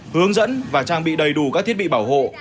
hướng dẫn và trang bị đầy đủ các thiết bị bảo hộ